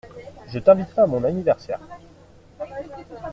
Je t'inviterai à mon anniversaire.